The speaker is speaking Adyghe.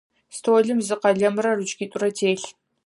Столым зы къэлэмрэ ручкитӏурэ телъ.